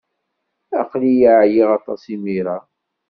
Aql-iyi ɛyiɣ aṭas imir-a.